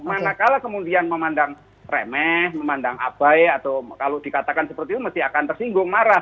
karena kalau kemudian memandang remeh memandang abai atau kalau dikatakan seperti itu akan tersinggung marah